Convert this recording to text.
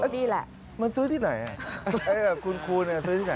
นี่แหละมันซื้อที่ไหนคูณซื้อที่ไหน